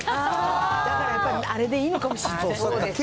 だからやっぱりあれでいいのかもしんない。